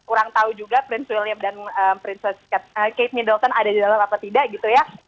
kurang tahu juga prince william dan princess kate middleton ada di dalam apa tidak gitu ya